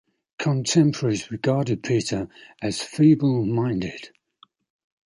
Contemporaries regarded Peter as feeble-minded.